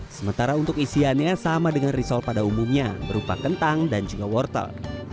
sementara untuk isiannya sama dengan risol pada umumnya berupa kentang dan juga wortel